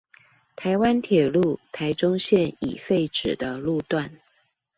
臺灣鐵路臺中線已廢止的路段